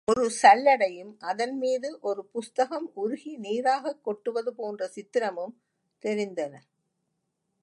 ஒரு சல்லடையும் அதன்மீது ஒரு புஸ்தகம் உருகி நீராகக் கொட்டுவது போன்ற சித்திரமும் தெரிந்தன.